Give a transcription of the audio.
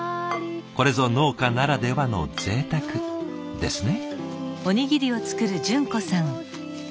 これぞ農家ならではのぜいたくですね。